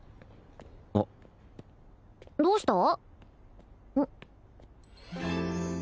あっどうした？